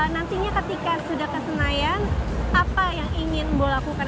nantinya ketika sudah ke senayan apa yang ingin bo lakukan